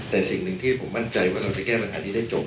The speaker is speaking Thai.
แต่สิ่งหนึ่งที่ผมมั่นใจว่าเราจะแก้ปัญหานี้ได้จบ